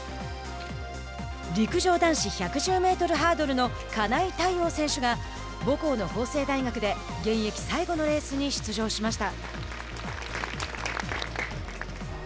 陸上男子１１０メートルハードルの金井大旺選手が母校の法政大学で現役最後のレースに出場しました。